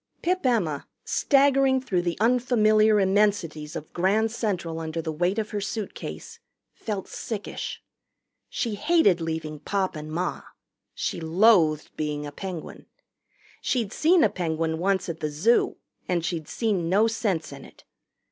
Pip Emma, staggering through the unfamiliar immensities of Grand Central under the weight of her suitcase, felt sickish. She hated leaving Pop and Ma. She loathed being a Penguin. She'd seen a penguin once at the zoo, and she'd seen no sense in it.